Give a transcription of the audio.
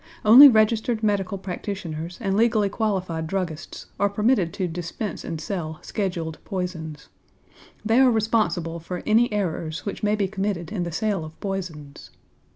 Only registered medical practitioners and legally qualified druggists are permitted to dispense and sell scheduled poisons. They are responsible for any errors which may be committed in the sale of poisons.